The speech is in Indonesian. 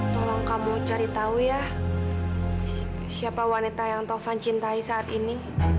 tolong kamu cari tahu ya siapa wanita yang taufan cintai saat ini